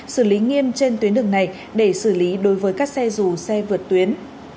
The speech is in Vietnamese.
xử lý nghiêm trên tuyến đường này để xử lý đối với các xe dù xe vượt tuyến